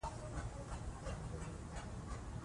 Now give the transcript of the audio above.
کله چې مړه یاست نو فکر مو ارام وي.